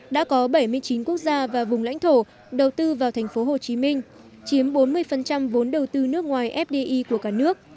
đã có bảy mươi chín quốc gia và vùng lãnh thổ đầu tư vào tp hcm chiếm bốn mươi vốn đầu tư nước ngoài fdi của cả nước